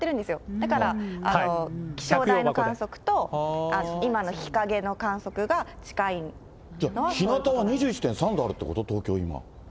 だから気象台の観測と、じゃあ、ひなたは２１．３度あるってこと、東京、今。